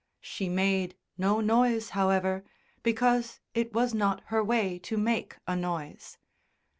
She made no noise, however, because it was not her way to make a noise.